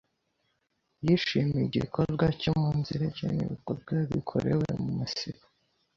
yishimiye igikorwe cyo umunsizirikene ibikorwe bikorerwe mu mesibo.